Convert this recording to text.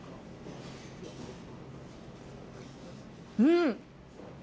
うん！